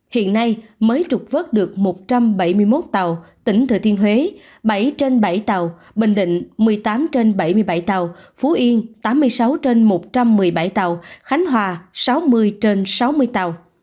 hiện nay mới trục vớt được một trăm bảy mươi một tàu tỉnh thừa thiên huế bảy trên bảy tàu bình định một mươi tám trên bảy mươi bảy tàu phú yên tám mươi sáu trên một trăm một mươi bảy tàu khánh hòa sáu mươi trên sáu mươi tàu